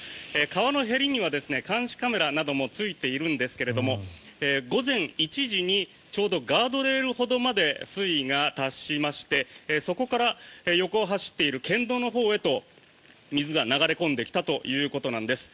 川のへりには監視カメラなどもついているんですが午前１時にちょうどガードレールほどまで水位が達しましてそこから横を走っている県道のほうへと水が流れ込んできたということなんです。